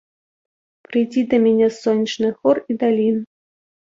Прыйдзі да мяне з сонечных гор і далін.